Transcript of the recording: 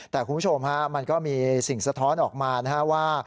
แต่คุณผู้ชมฮะมันก็มีสิ่งสะท้อนออกมานะฮะว่า